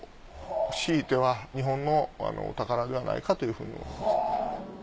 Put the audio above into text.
ひいては日本の宝ではないかというふうに思います。